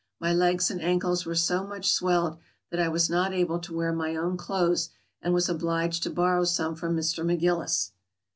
My legs and ankles were so much swelled that I was not able to wear my own clothes, and was obliged to borrow some from Mr. McGillis.